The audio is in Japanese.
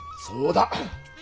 そうだ！